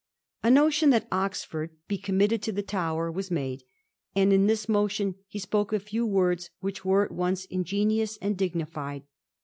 A motion that Oxford be committed to the Tower was made, and on this motion he spoke a few words which were at once ingenious and dignified.